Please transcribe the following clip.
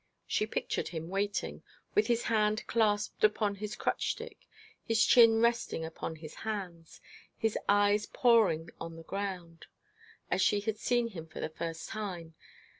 She pictured him waiting, with his hand clasped upon his crutch stick, his chin resting upon his hands, his eyes poring on the ground, as she had seen him for the first time.